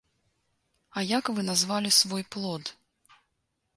А як вы назвалі свой плод?